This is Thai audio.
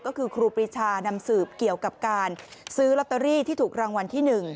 ก็คือครูปรีชานำสืบเกี่ยวกับการซื้อลอตเตอรี่ที่ถูกรางวัลที่๑